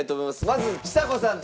まずちさ子さん